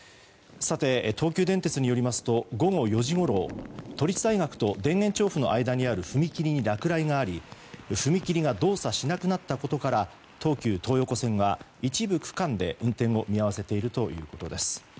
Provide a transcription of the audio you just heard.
東急電鉄によりますと午後４時ごろ、都立大学と田園調布の間にある踏切に落雷があり踏切が動作しなくなったことから東急東横線は一部区間で運転を見合わせているということです。